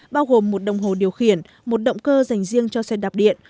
bao gồm một đồng hồ điều khiển một động cơ dành riêng cho xe đạp điện